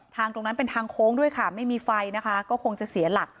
ตรงนั้นเป็นทางโค้งด้วยค่ะไม่มีไฟนะคะก็คงจะเสียหลัก